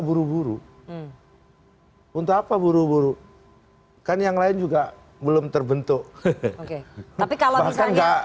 buru buru untuk apa buru buru kan yang lain juga belum terbentuk hehehe oke bahkan enggak